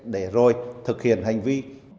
để rồi thực hiện hành vi